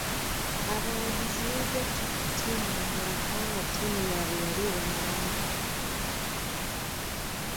Abawagizi beegatta ku ttiimu endala kubanga ttiimu yaabwe yali ebamalamu maanyi.